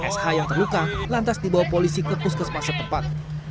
sh yang terluka lantas dibawa polisi ke puskesmasan tepat